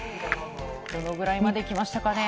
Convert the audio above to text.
どのぐらいまできましたかね。